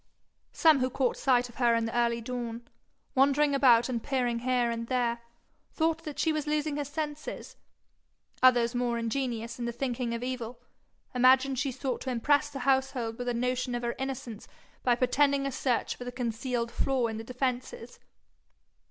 Some who caught sight of her in the early dawn, wandering about and peering here and there, thought that she was losing her senses; others more ingenious in the thinking of evil, imagined she sought to impress the household with a notion of her innocence by pretending a search for the concealed flaw in the defences.